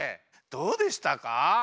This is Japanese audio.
どうでしたか？